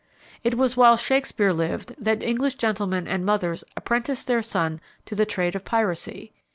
It was while Shakespeare lived that English gentlemen and mothers apprenticed their sons to the trade of piracy.